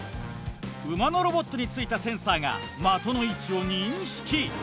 馬のロボットについたセンサーが的の位置を認識。